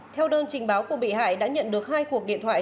theo đơn trình báo của bị hại đã nhận được hai cuộc điện thoại